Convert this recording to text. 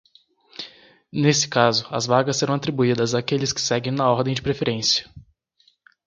Nesse caso, as vagas serão atribuídas àqueles que seguem na ordem de preferência.